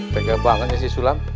tegak banget ya si sulam